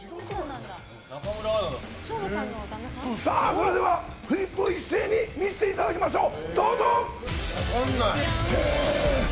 それではフリップを一斉に見せていただきましょう。